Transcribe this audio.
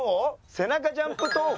背中ジャンプ投法？